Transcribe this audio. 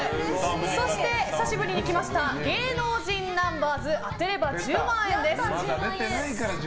そして、久しぶりに来ました芸能人ナンバーズ当てれば１０万円！です。